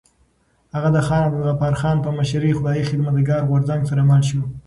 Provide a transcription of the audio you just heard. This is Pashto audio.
هغه د خان عبدالغفار خان په مشرۍ خدایي خدمتګار غورځنګ سره مل شو.